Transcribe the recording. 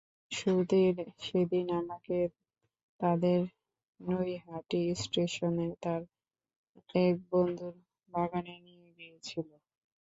সুধীর সেদিন আমাকে তাদের নৈহাটি স্টেশনে তার এক বন্ধুর বাগানে নিয়ে গিয়েছিল।